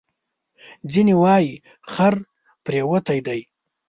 ځینې وایي خر پرېوتی دی.